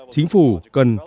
chính phủ cần